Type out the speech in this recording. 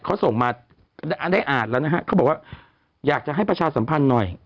เขาส่งมาอันได้อ่านแล้วนะฮะเขาบอกว่าอยากจะให้ประชาสัมพันธ์หน่อย